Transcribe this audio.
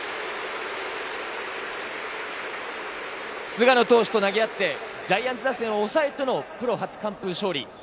菅野投手と投げ合って、ジャイアンツ打線を抑えてのプロ初完封勝利。